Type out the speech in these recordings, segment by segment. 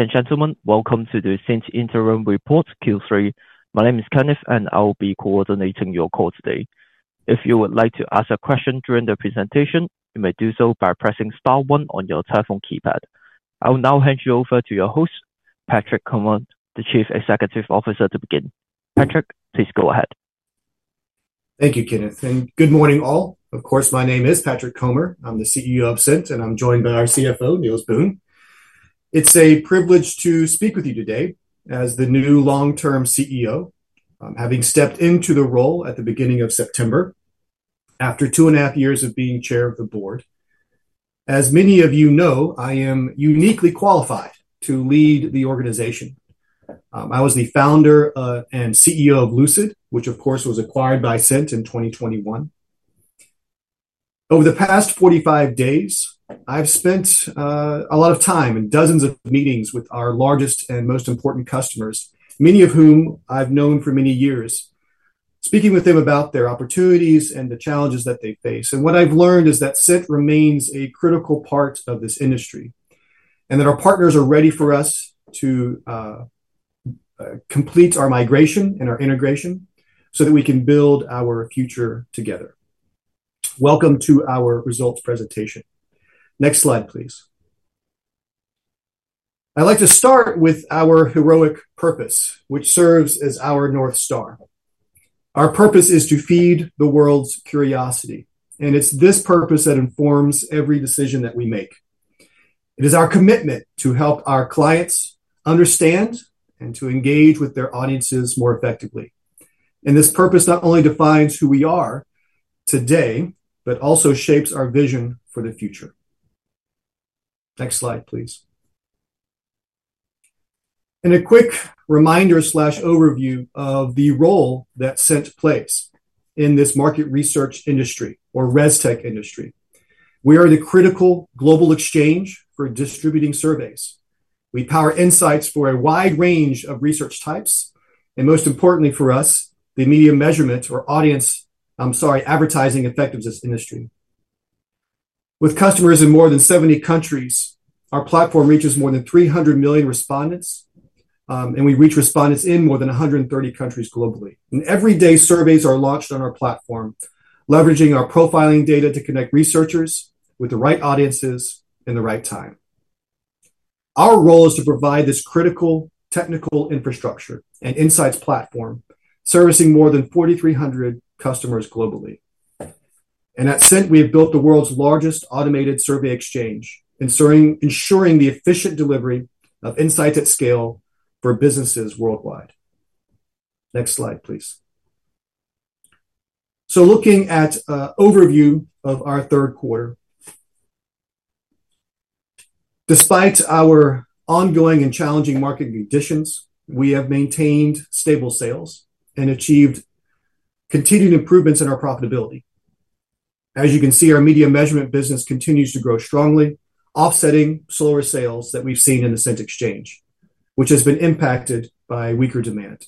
Ladies and gentlemen, welcome to the Cint Interim Report, Q3. My name is Kenneth, and I will be coordinating your call today. If you would like to ask a question during the presentation, you may do so by pressing star one on your telephone keypad. I will now hand you over to your host, Patrick Comer, the Chief Executive Officer, to begin. Patrick, please go ahead. Thank you, Kenneth, and good morning, all. Of course, my name is Patrick Comer. I'm the CEO of Cint, and I'm joined by our CFO, Niels Boon. It's a privilege to speak with you today as the new long-term CEO, having stepped into the role at the beginning of September, after two and a half years of being chair of the board. As many of you know, I am uniquely qualified to lead the organization. I was the founder and CEO of Lucid, which of course, was acquired by Cint in twenty twenty-one. Over the past forty-five days, I've spent a lot of time and dozens of meetings with our largest and most important customers, many of whom I've known for many years, speaking with them about their opportunities and the challenges that they face. What I've learned is that Cint remains a critical part of this industry, and that our partners are ready for us to complete our migration and our integration so that we can build our future together. Welcome to our results presentation. Next slide, please. I'd like to start with our heroic purpose, which serves as our North Star. Our purpose is to feed the world's curiosity, and it's this purpose that informs every decision that we make. It is our commitment to help our clients understand and to engage with their audiences more effectively. This purpose not only defines who we are today, but also shapes our vision for the future. Next slide, please. A quick reminder/overview of the role that Cint plays in this market research industry or ResTech industry. We are the critical global exchange for distributing surveys. We power insights for a wide range of research types, and most importantly for us, the media measurement or audience... I'm sorry, advertising effectiveness industry. With customers in more than 70 countries, our platform reaches more than 300 million respondents, and we reach respondents in more than 130 countries globally. Every day, surveys are launched on our platform, leveraging our profiling data to connect researchers with the right audiences in the right time. Our role is to provide this critical technical infrastructure and insights platform, servicing more than 4,300 customers globally. And at Cint, we have built the world's largest automated survey exchange, ensuring the efficient delivery of insights at scale for businesses worldwide. Next slide, please. Looking at an overview of our third quarter. Despite our ongoing and challenging market conditions, we have maintained stable sales and achieved continued improvements in our profitability. As you can see, our media measurement business continues to grow strongly, offsetting slower sales that we've seen in the Cint Exchange, which has been impacted by weaker demand.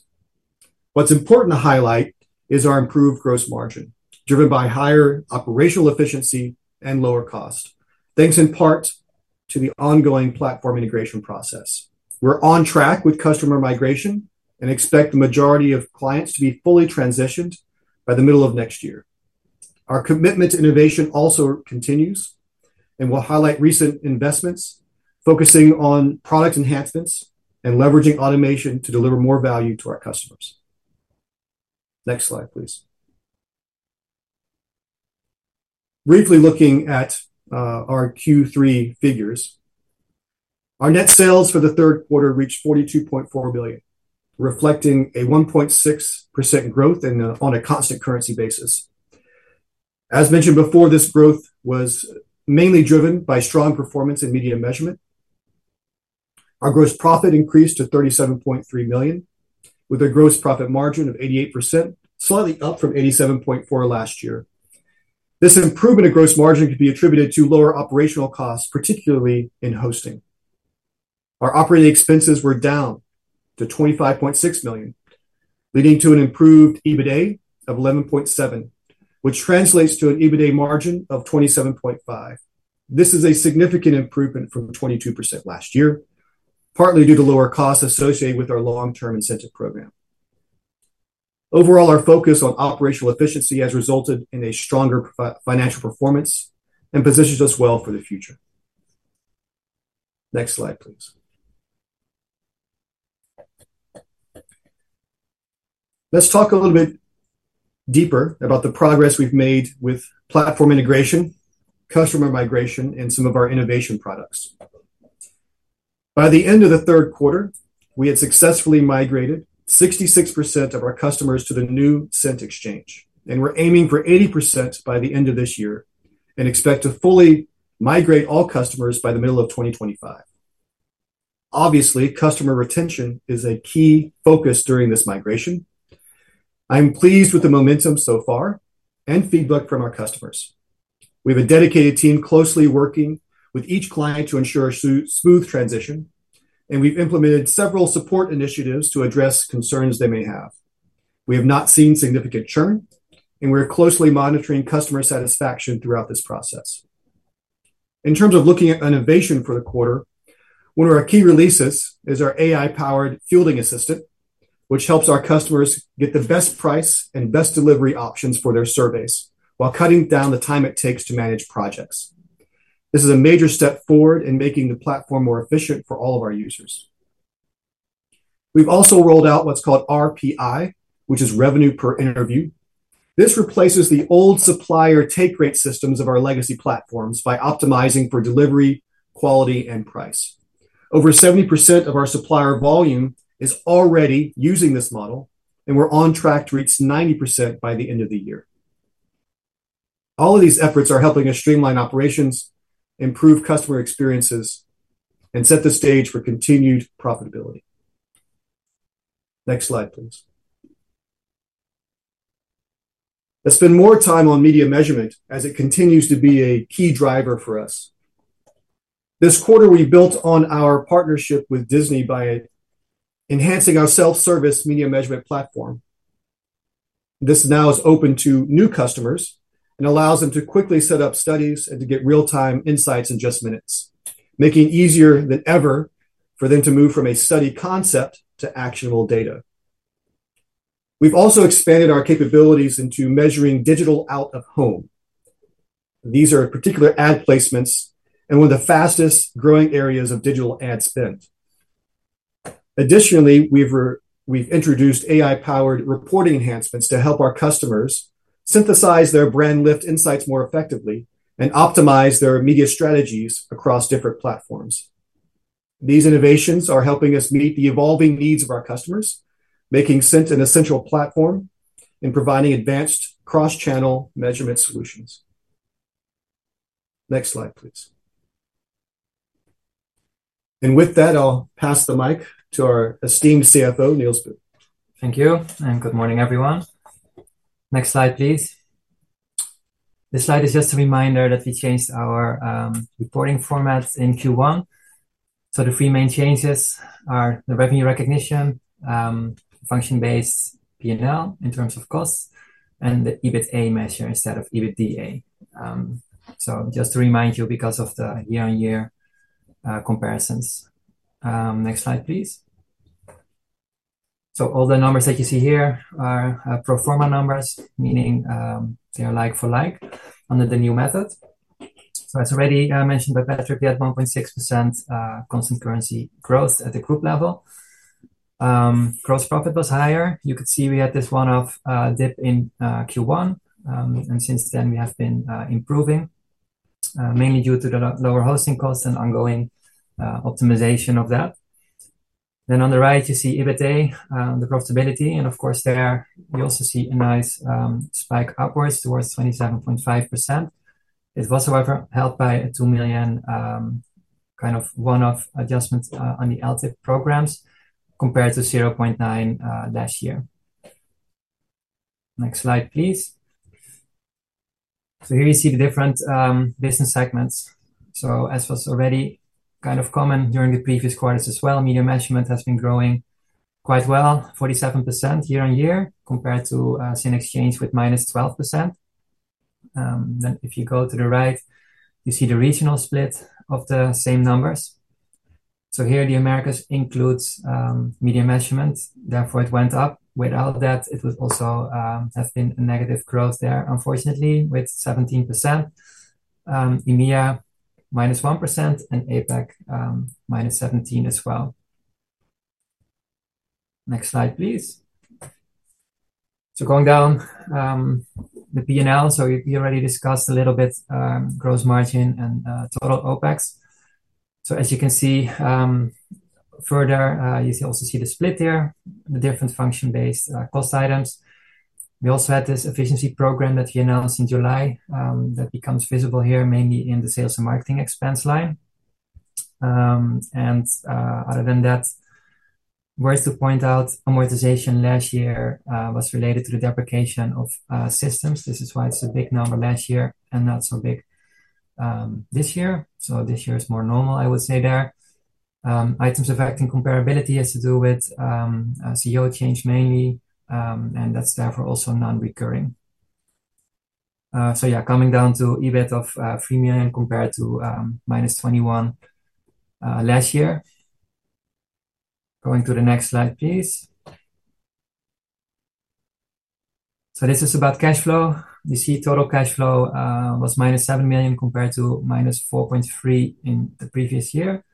What's important to highlight is our improved gross margin, driven by higher operational efficiency and lower cost, thanks in part to the ongoing platform integration process. We're on track with customer migration and expect the majority of clients to be fully transitioned by the middle of next year. Our commitment to innovation also continues, and we'll highlight recent investments, focusing on product enhancements and leveraging automation to deliver more value to our customers. Next slide, please. Briefly looking at our Q3 figures. Our net sales for the third quarter reached 42.4 billion, reflecting a 1.6% growth in on a constant currency basis. As mentioned before, this growth was mainly driven by strong performance in Media Measurement. Our gross profit increased to 37.3 million, with a gross profit margin of 88%, slightly up from 87.4% last year. This improvement in gross margin could be attributed to lower operational costs, particularly in hosting. Our operating expenses were down to 25.6 million, leading to an improved EBITA of 11.7, which translates to an EBITA margin of 27.5%. This is a significant improvement from the 22% last year, partly due to lower costs associated with our long-term incentive program. Overall, our focus on operational efficiency has resulted in a stronger financial performance and positions us well for the future. Next slide, please. Let's talk a little bit deeper about the progress we've made with platform integration, customer migration, and some of our innovation products. By the end of the third quarter, we had successfully migrated 66% of our customers to the new Cint Exchange, and we're aiming for 80% by the end of this year and expect to fully migrate all customers by the middle of 2025. Obviously, customer retention is a key focus during this migration. I'm pleased with the momentum so far and feedback from our customers. We have a dedicated team closely working with each client to ensure a smooth transition, and we've implemented several support initiatives to address concerns they may have. We have not seen significant churn, and we are closely monitoring customer satisfaction throughout this process. In terms of looking at innovation for the quarter, one of our key releases is our AI-powered fielding assistant, which helps our customers get the best price and best delivery options for their surveys, while cutting down the time it takes to manage projects. This is a major step forward in making the platform more efficient for all of our users. We've also rolled out what's called RPI, which is Revenue Per Interview. This replaces the old supplier take rate systems of our legacy platforms by optimizing for delivery, quality, and price. Over 70% of our supplier volume is already using this model, and we're on track to reach 90% by the end of the year. All of these efforts are helping us streamline operations, improve customer experiences, and set the stage for continued profitability. Next slide, please. Let's spend more time on media measurement as it continues to be a key driver for us. This quarter, we built on our partnership with Disney by enhancing our self-service media measurement platform. This now is open to new customers and allows them to quickly set up studies and to get real-time insights in just minutes, making it easier than ever for them to move from a study concept to actionable data. We've also expanded our capabilities into measuring Digital Out-of-home. These are particular ad placements, and one of the fastest-growing areas of digital ad spend. Additionally, we've introduced AI-powered reporting enhancements to help our customers synthesize their brand lift insights more effectively and optimize their media strategies across different platforms. These innovations are helping us meet the evolving needs of our customers, making Cint an essential platform in providing advanced cross-channel measurement solutions. Next slide, please. And with that, I'll pass the mic to our esteemed CFO, Niels Boon. Thank you, and good morning, everyone. Next slide, please. This slide is just a reminder that we changed our reporting formats in Q1. So the three main changes are the revenue recognition, function-based P&L in terms of costs, and the EBITA measure instead of EBITDA. So just to remind you, because of the year-on-year comparisons. Next slide, please. So all the numbers that you see here are pro forma numbers, meaning they are like for like under the new method. So as already mentioned by Patrick, we had 1.6% constant currency growth at the group level. Gross profit was higher. You could see we had this one-off dip in Q1, and since then, we have been improving mainly due to the lower hosting costs and ongoing optimization of that. Then on the right, you see EBITA, the profitability, and of course, there we also see a nice spike upwards towards 27.5%. It was, however, helped by a 2 million kind of one-off adjustment on the LTIP programs, compared to 0.9% last year. Next slide, please. So here you see the different business segments. So as was already kind of common during the previous quarters as well, Media Measurement has been growing quite well, 47% year on year, compared to Cint Exchange with -12%. Then if you go to the right, you see the regional split of the same numbers. So here, the Americas includes Media Measurement, therefore, it went up. Without that, it would also have been a negative growth there, unfortunately, with 17%, EMEA, -1%, and APAC, -17% as well. Next slide, please. So going down the P&L, so we already discussed a little bit, gross margin and total OpEx. So as you can see, further, you can also see the split there, the different function-based cost items. We also had this efficiency program that we announced in July that becomes visible here, mainly in the sales and marketing expense line. And other than that, worth to point out, amortization last year was related to the depreciation of systems. This is why it's a big number last year and not so big this year. So this year is more normal, I would say there. Items affecting comparability has to do with CEO change mainly, and that's therefore also non-recurring. So yeah, coming down to EBIT of three million compared to -21 last year. Going to the next slide, please. So this is about cash flow. You see, total cash flow was -7 million, compared to -4.3 in the previous year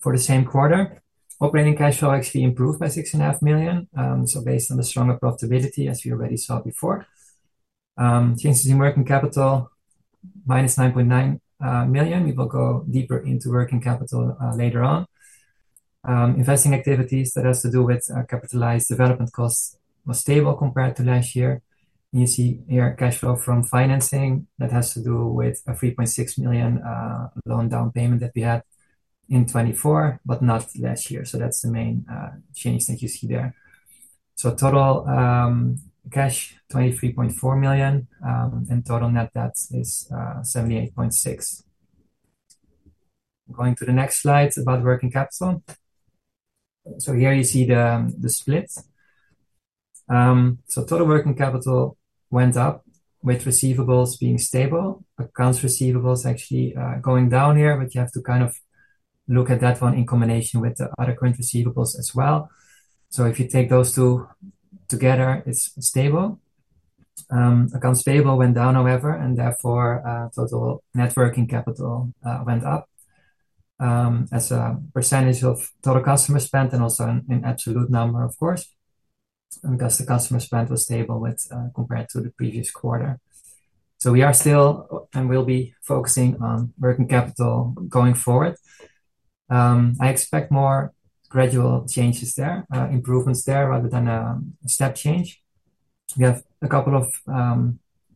for the same quarter. Operating cash flow actually improved by 6.5 million, so based on the stronger profitability, as we already saw before. Changes in working capital, -9.9 million. We will go deeper into working capital later on. Investing activities, that has to do with capitalized development costs, was stable compared to last year. You see here cash flow from financing, that has to do with a 3.6 million loan down payment that we had in 2024, but not last year. So that's the main change that you see there. So total cash, 23.4 million, and total net debt is 78.6. Going to the next slide about working capital. So here you see the split. So total working capital went up, with receivables being stable. Accounts receivables actually going down here, but you have to kind of look at that one in combination with the other current receivables as well. So if you take those two together, it's stable. Accounts payable went down, however, and therefore, total net working capital went up as a percentage of total customer spend and also in absolute number, of course, because the customer spend was stable compared to the previous quarter. So we are still, and will be focusing on working capital going forward. I expect more gradual changes there, improvements there, rather than a step change. We have a couple of,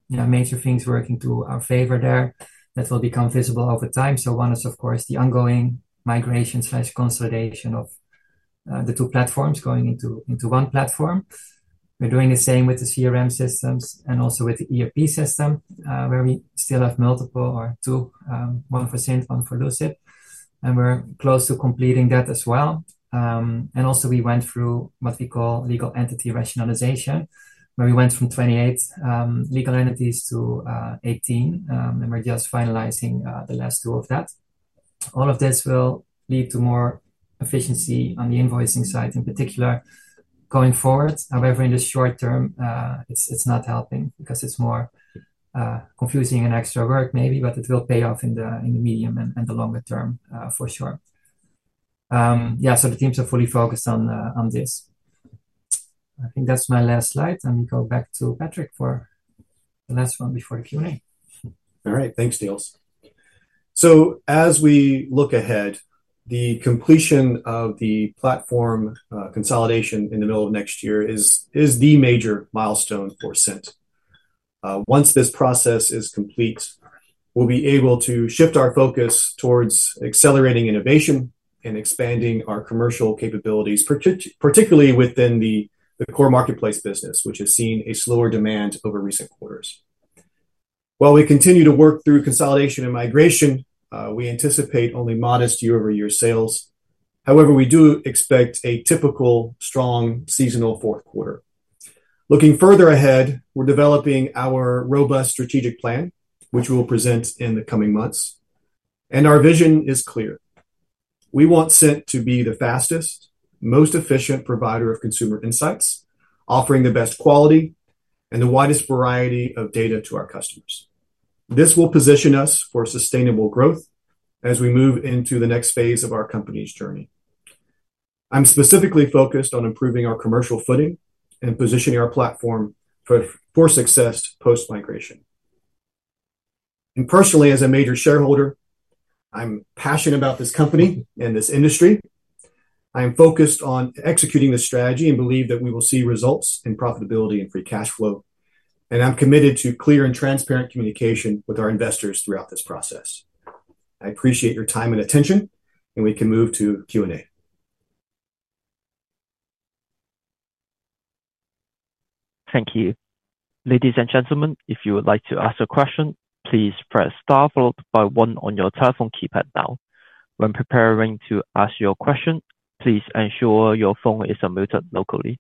you know, major things working to our favor there that will become visible over time. So one is, of course, the ongoing migration/consolidation of the two platforms going into one platform. We're doing the same with the CRM systems and also with the ERP system, where we still have multiple or two, one for Cint, one for Lucid, and we're close to completing that as well. And also, we went through what we call legal entity rationalization, where we went from 28 legal entities to 18, and we're just finalizing the last two of that. All of this will lead to more efficiency on the invoicing side, in particular, going forward. However, in the short term, it's not helping because it's more confusing and extra work maybe, but it will pay off in the medium and the longer term, for sure. Yeah, so the teams are fully focused on this. I think that's my last slide. Let me go back to Patrick for the last one before the Q&A. All right. Thanks, Niels. So as we look ahead, the completion of the platform consolidation in the middle of next year is the major milestone for Cint. Once this process is complete, we'll be able to shift our focus towards accelerating innovation and expanding our commercial capabilities, particularly within the core marketplace business, which has seen a slower demand over recent quarters. While we continue to work through consolidation and migration, we anticipate only modest year-over-year sales. However, we do expect a typical strong seasonal fourth quarter. Looking further ahead, we're developing our robust strategic plan, which we'll present in the coming months, and our vision is clear. We want Cint to be the fastest, most efficient provider of consumer insights, offering the best quality and the widest variety of data to our customers. This will position us for sustainable growth as we move into the next phase of our company's journey. I'm specifically focused on improving our commercial footing and positioning our platform for success post-migration. And personally, as a major shareholder, I'm passionate about this company and this industry. I am focused on executing this strategy and believe that we will see results in profitability and free cash flow, and I'm committed to clear and transparent communication with our investors throughout this process. I appreciate your time and attention, and we can move to Q&A. Thank you. Ladies and gentlemen, if you would like to ask a question, please press Star followed by one on your telephone keypad now. When preparing to ask your question, please ensure your phone is unmuted locally.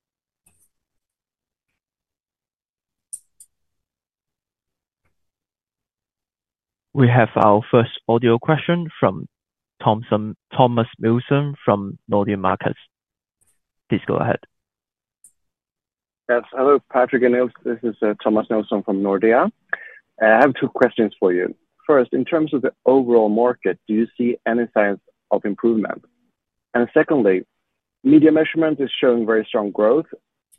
We have our first audio question from Thomas Nielsen from Nordea Markets. Please go ahead. Yes. Hello, Patrick and Niels. This is Thomas Nielsen from Nordea. I have two questions for you. First, in terms of the overall market, do you see any signs of improvement? And secondly, Media Measurement is showing very strong growth.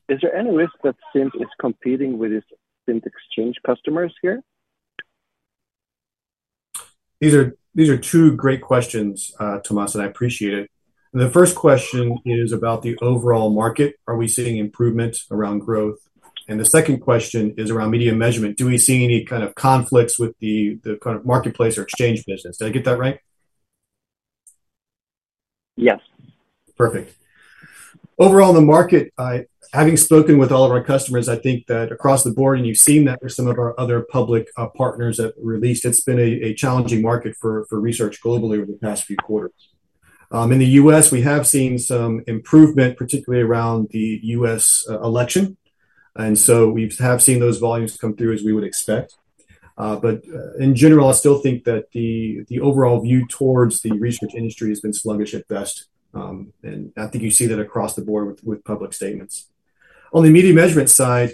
Is there any risk that Cint is competing with its Cint Exchange customers here? These are two great questions, Thomas, and I appreciate it. The first question is about the overall market. Are we seeing improvement around growth? And the second question is around media measurement. Do we see any kind of conflicts with the kind of marketplace or exchange business? Did I get that right? Yes. Perfect. Overall, in the market, having spoken with all of our customers, I think that across the board, and you've seen that with some of our other public peers that released, it's been a challenging market for research globally over the past few quarters. In the U.S., we have seen some improvement, particularly around the U.S. election, and so we have seen those volumes come through as we would expect, but in general, I still think that the overall view towards the research industry has been sluggish at best, and I think you see that across the board with public statements. On the media measurement side,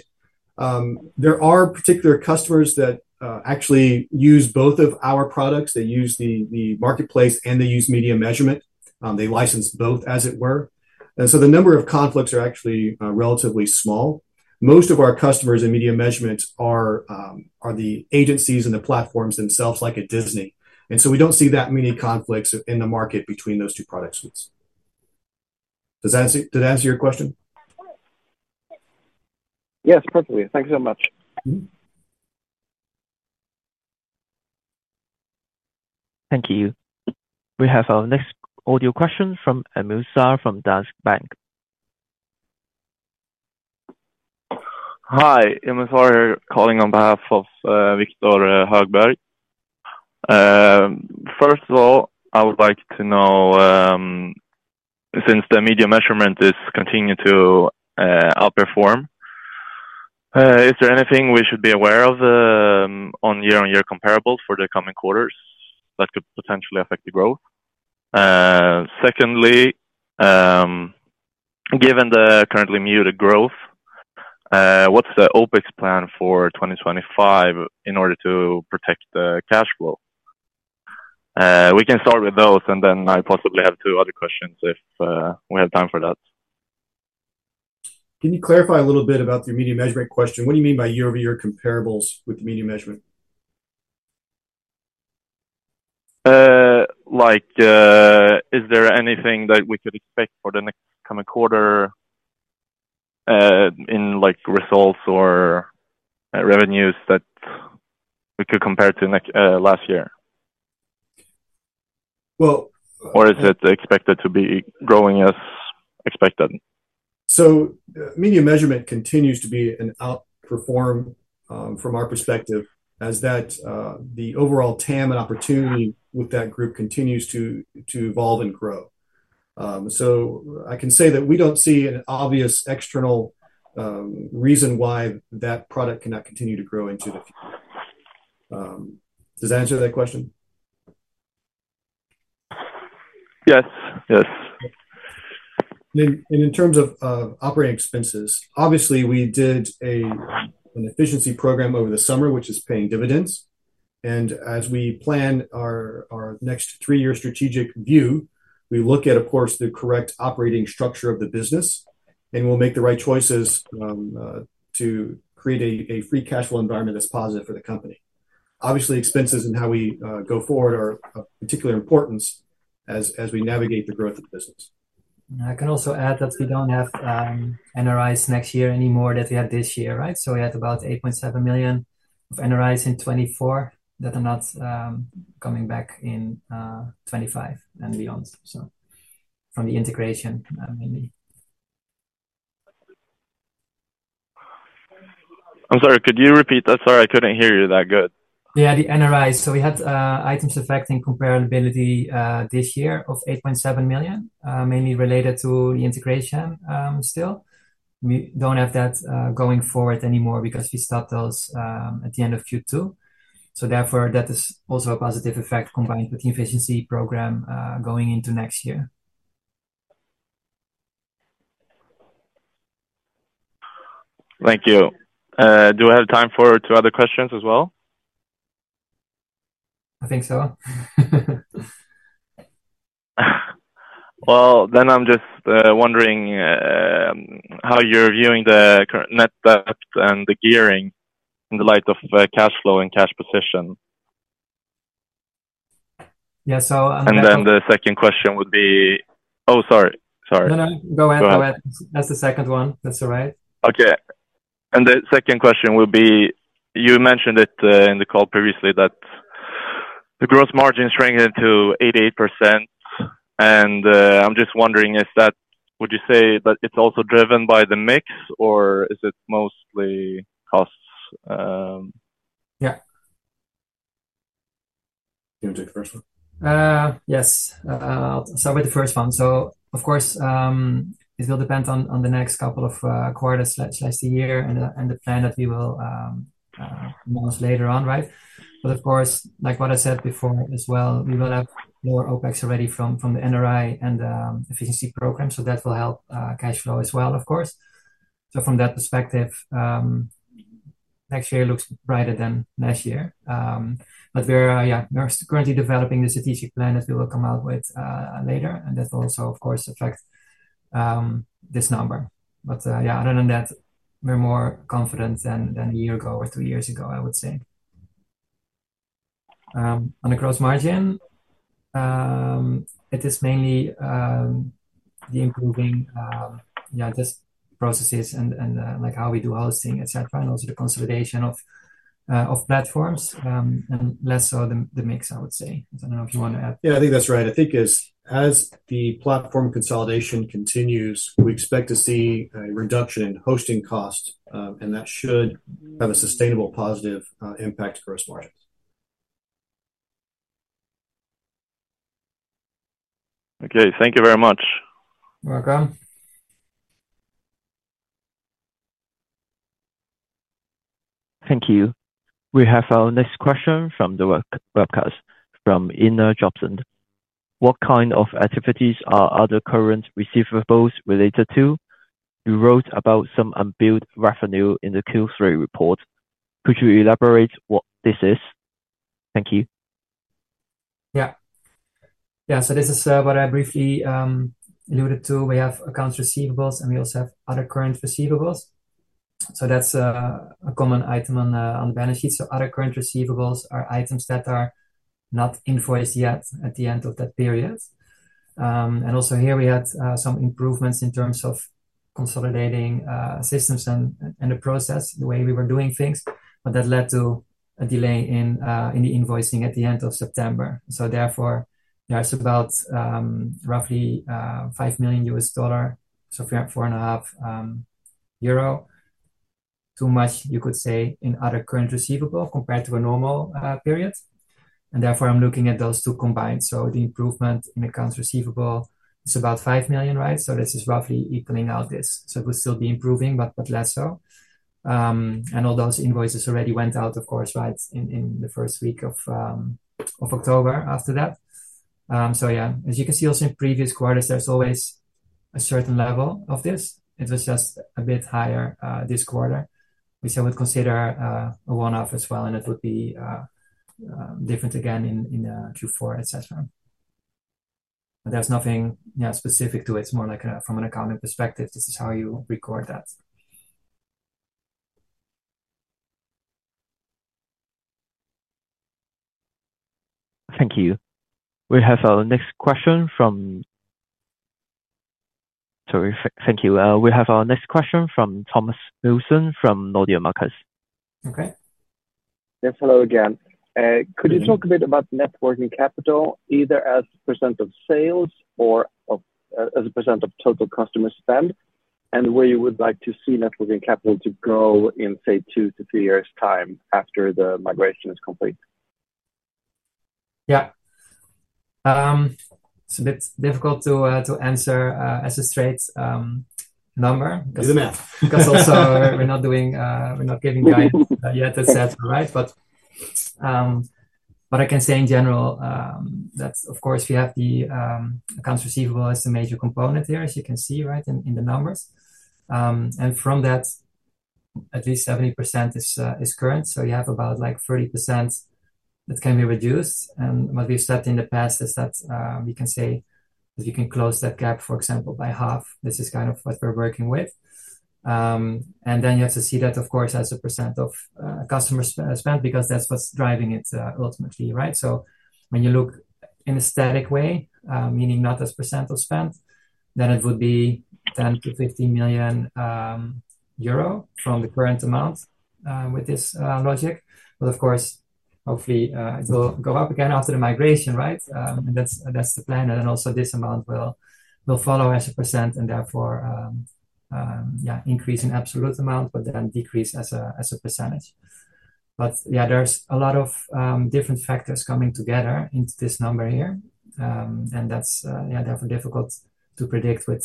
there are particular customers that actually use both of our products. They use the marketplace, and they use media measurement. They license both, as it were. And so the number of conflicts are actually relatively small. Most of our customers in media measurement are the agencies and the platforms themselves, like Disney. And so we don't see that many conflicts in the market between those two product suites. Does that answer, did that answer your question? Yes, perfectly. Thank you so much. Thank you. We have our next audio question from Emil Särnqvist from Danske Bank. Hi, Emil Särnqvist calling on behalf of Victor Högberg. First of all, I would like to know, since the media measurement is continuing to outperform, is there anything we should be aware of on year-on-year comparables for the coming quarters that could potentially affect the growth? Secondly, given the currently muted growth, what's the OpEx plan for 2025 in order to protect the cash flow? We can start with those, and then I possibly have two other questions if we have time for that. Can you clarify a little bit about the Media Measurement question? What do you mean by year-over-year comparables with Media Measurement? Like, is there anything that we could expect for the next coming quarter, in like results or revenues that we could compare to next, last year? Well- Or is it expected to be growing as expected? So Media Measurement continues to be an outperform, from our perspective, as the overall TAM and opportunity with that group continues to evolve and grow. So I can say that we don't see an obvious external reason why that product cannot continue to grow into the future. Does that answer that question? Yes. Yes. Then, in terms of operating expenses, obviously, we did an efficiency program over the summer, which is paying dividends. As we plan our next three-year strategic view, we look at, of course, the correct operating structure of the business, and we'll make the right choices to create a free cash flow environment that's positive for the company. Obviously, expenses and how we go forward are of particular importance as we navigate the growth of the business. I can also add that we don't have NRIs next year anymore that we had this year, right? So we had about 8.7 million of NRIs in 2024, that are not coming back in 2025 and beyond. So from the integration, mainly. I'm sorry, could you repeat that? Sorry, I couldn't hear you that good. Yeah, the NRI. So we had items affecting comparability this year of 8.7 million, mainly related to the integration still. We don't have that going forward anymore because we stopped those at the end of Q2. So therefore, that is also a positive effect, combined with the efficiency program going into next year. Thank you. Do I have time for two other questions as well? I think so. Well, then I'm just wondering how you're viewing the current net debt and the gearing in the light of cash flow and cash position. Yeah, so- And then the second question would be... Oh, sorry. Sorry. No, no. Go ahead. Go ahead. That's the second one. That's all right. Okay. And the second question would be, you mentioned it in the call previously, that the gross margin is shrinking to 88%, and I'm just wondering, is that, would you say that it's also driven by the mix, or is it mostly costs? Yeah. You wanna take the first one? Yes. I'll start with the first one, so of course it will depend on the next couple of quarters or year, and the plan that we will announce later on, right, but of course, like what I said before as well, we will have more OpEx already from the NRI and the efficiency program, so that will help cash flow as well, of course, so from that perspective, next year looks brighter than this year, but we're currently developing the strategic plan that we will come out with later, and that will also, of course, affect this number, but other than that, we're more confident than a year ago or two years ago, I would say. On the gross margin, it is mainly the improving, yeah, just processes and like how we do hosting, et cetera, and also the consolidation of platforms, and less so the mix, I would say. I don't know if you want to add. Yeah, I think that's right. I think as the platform consolidation continues, we expect to see a reduction in hosting costs, and that should have a sustainable positive impact to gross margins. Okay. Thank you very much. You're welcome. Thank you. We have our next question from the webcast, from Inna Jobson. What kind of activities are other current receivables related to? You wrote about some unbilled revenue in the Q3 report. Could you elaborate what this is? Thank you. Yeah. Yeah, so this is what I briefly alluded to. We have accounts receivables, and we also have other current receivables. So that's a common item on the balance sheet. So other current receivables are items that are not invoiced yet at the end of that period. And also here, we had some improvements in terms of consolidating systems and the process, the way we were doing things, but that led to a delay in the invoicing at the end of September. So, yeah, it's about roughly $5 million. So we have EUR 4.5 million. Too much, you could say, in other current receivable compared to a normal period, and therefore, I'm looking at those two combined. So the improvement in accounts receivable is about $5 million, right? So this is roughly equaling out this. So it will still be improving, but less so. And all those invoices already went out, of course, right, in the first week of October, after that. So yeah, as you can see also in previous quarters, there's always a certain level of this. It was just a bit higher this quarter, which I would consider a one-off as well, and it would be different again in Q4, et cetera. But there's nothing, yeah, specific to it. It's more like from an accounting perspective, this is how you record that. Thank you. We have our next question from. Sorry. Thank you. We have our next question from Thomas Nielsen from Nordea Markets. Okay. Yes. Hello again. Could you talk- Mm-hmm. A bit about net working capital, either as % of sales or of, as a % of total customer spend, and where you would like to see net working capital to go in, say, two to three years' time after the migration is complete? Yeah. It's a bit difficult to answer as a straight number. Do the math. Because also we're not doing, we're not giving guidance yet, et cetera, right? But, what I can say in general, that of course, we have the accounts receivable as the major component here, as you can see, right, in the numbers. And from that, at least 70% is current, so you have about, like, 30% that can be reduced. And what we've said in the past is that, we can say if you can close that gap, for example, by half, this is kind of what we're working with. And then you have to see that, of course, as a % of customer spent, because that's what's driving it, ultimately, right? So when you look in a static way, meaning not as % of spent, then it would be 10-15 million euro from the current amount with this logic. But of course, hopefully, it will go up again after the migration, right? And that's the plan. And then also this amount will follow as a % and therefore increase in absolute amount, but then decrease as a %. But yeah, there's a lot of different factors coming together into this number here. And that's yeah, definitely difficult to predict with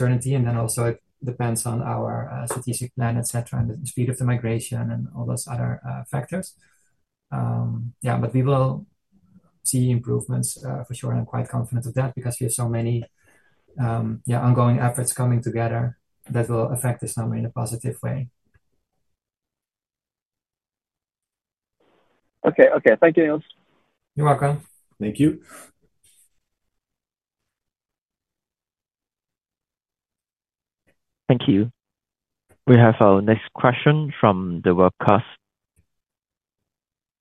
certainty. And then also it depends on our strategic plan, et cetera, and the speed of the migration and all those other factors. Yeah, but we will see improvements for sure. I'm quite confident of that because we have so many ongoing efforts coming together that will affect this number in a positive way. Okay. Okay. Thank you, Niels. You're welcome. Thank you. Thank you. We have our next question from the webcast.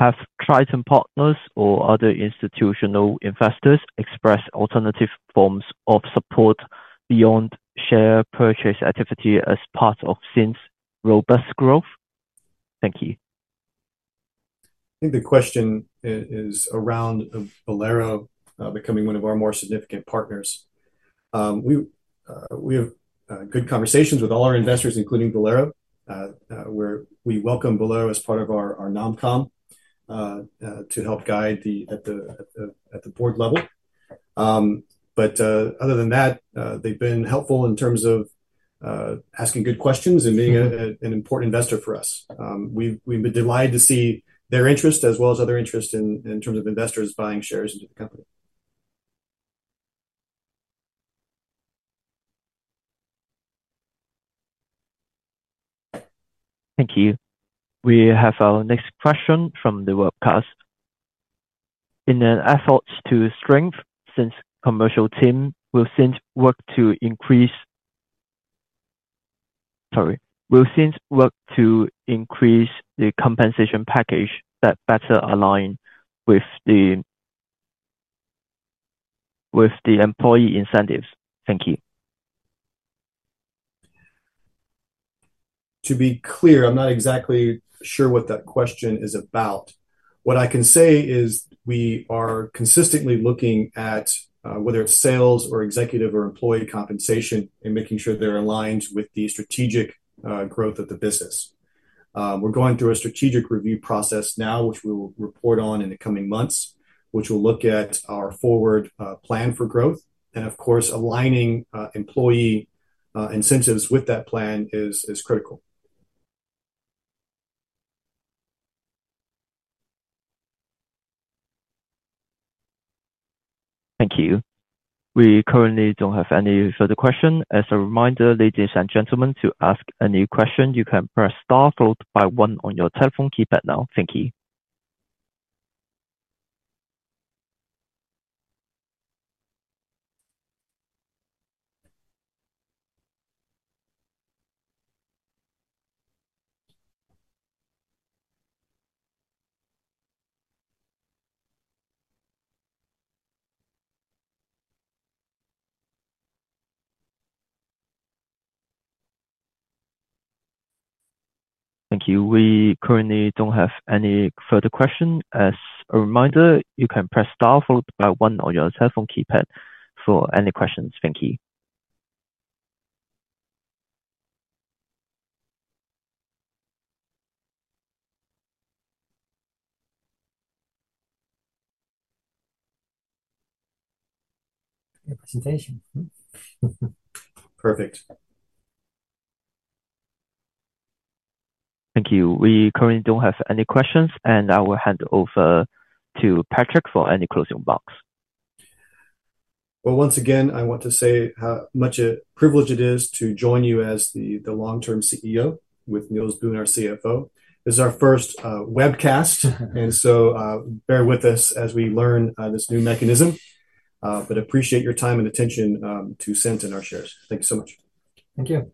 Have Triton Partners or other institutional investors expressed alternative forms of support beyond share purchase activity as part of Cint's robust growth? Thank you. I think the question is around Boler becoming one of our more significant partners. We have good conversations with all our investors, including Boler, where we welcome Boler as part of our NomCom to help guide the board level, but other than that, they've been helpful in terms of asking good questions and being an important investor for us. We've been delighted to see their interest as well as other interest in terms of investors buying shares into the company. Thank you. We have our next question from the webcast. In an effort to strengthen Cint's commercial team, will Cint work to increase..Sorry. Will Cint work to increase the compensation package that better align with the employee incentives? Thank you. To be clear, I'm not exactly sure what that question is about. What I can say is we are consistently looking at whether it's sales or executive or employee compensation, and making sure they're aligned with the strategic growth of the business. We're going through a strategic review process now, which we will report on in the coming months, which will look at our forward plan for growth. And of course, aligning employee incentives with that plan is critical. Thank you. We currently don't have any further questions. As a reminder, ladies and gentlemen, to ask any question, you can press star followed by one on your telephone keypad now. Thank you. Thank you. We currently don't have any further questions. As a reminder, you can press star followed by one on your telephone keypad for any questions. Thank you. Your presentation. Perfect. Thank you. We currently don't have any questions, and I will hand over to Patrick for any closing remarks. Once again, I want to say how much a privilege it is to join you as the long-term CEO, with Niels Boon, our CFO. This is our first webcast and so bear with us as we learn this new mechanism. But appreciate your time and attention to Cint and our shares. Thank you so much. Thank you.